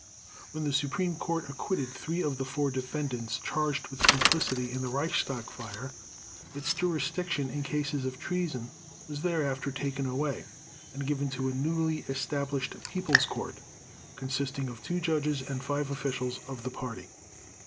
When the Supreme Court acquitted three of the four defendants charged with complicity in the Reichstag fire, its jurisdiction in cases of treason was thereafter taken away and given to a newly established "People's Court" consisting of two judges and five officials of the Party.